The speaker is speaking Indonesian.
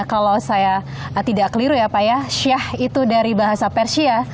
kalau saya tidak keliru ya pak ya syah itu dari bahasa persia